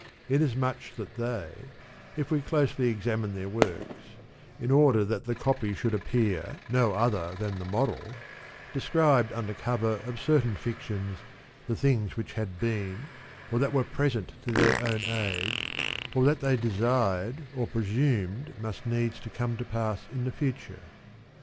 Insomuch that they (if we closely examine their works), in order that the copy should appear no other than the model, described under cover of certain fictions the things which had been, or that were present to their own age, or that they desired or presumed must needs come to pass in the future.